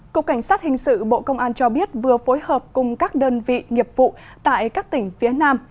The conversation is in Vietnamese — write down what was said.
cục cảnh sát hình sự bộ công an cho biết vừa phối hợp cùng các đơn vị nghiệp vụ tại các tỉnh phía nam